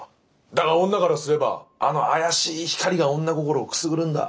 だが女からすればあの怪しい光が女心をくすぐるんだ。